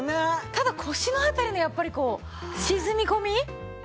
ただ腰の辺りのやっぱりこう沈み込み。